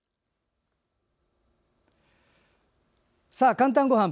「かんたんごはん」